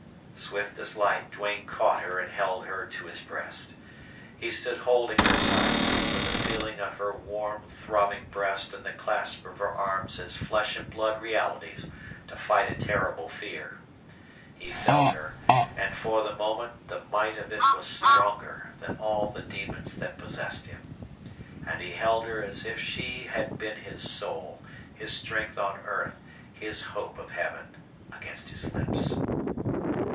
Swift as light Duane caught her and held her to his breast. He stood holding her tight, with the feel of her warm, throbbing breast and the clasp of her arms as flesh and blood realities to fight a terrible fear. He felt her, and for the moment the might of it was stronger than all the demons that possessed him. And he held her as if she had been his soul, his strength on earth, his hope of Heaven, against his lips.